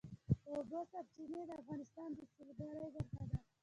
د اوبو سرچینې د افغانستان د سیلګرۍ برخه ده.